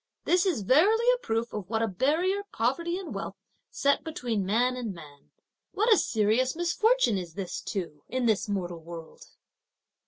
This is verily a proof of what a barrier poverty and wealth set between man and man. What a serious misfortune is this too in this mortal world!"